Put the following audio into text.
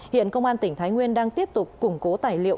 hiện công an tỉnh thái nguyên đang tiếp tục củng cố tài liệu